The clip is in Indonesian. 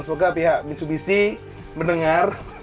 semoga pihak mitsubishi mendengar